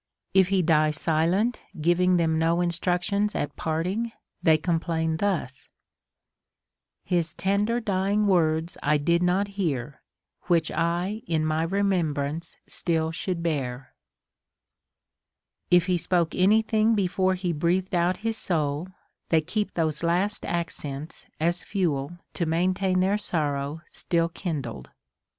If he * II. XI. 452. 330 CONSOLATION TO APOLLONIUS. die silent, giving them no instructions at parting, they complain thus :— His tender dying words I did not hear, Which I in my remembrance still should bear* If he spoke any thing before he breathed out his soul, they keep those last accents as fuel to maintain their sorrow still kindled.